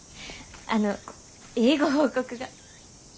あのええご報告が。